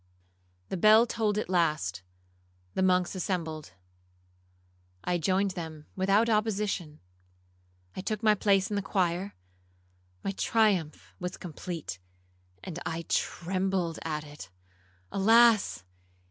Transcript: The bell tolled at last,—the monks assembled. I joined them without opposition,—I took my place in the choir,—my triumph was complete, and I trembled at it. Alas!